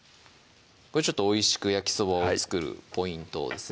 これちょっとおいしく焼きそばを作るポイントですね